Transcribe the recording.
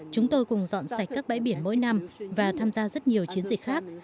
chúng tôi cùng dọn sạch các bãi biển mỗi năm và tham gia rất nhiều chiến dịch khác